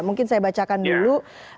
mungkin saya bacakan dulu